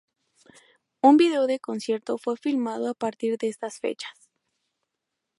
Un video de concierto fue filmado a partir de estas fechas.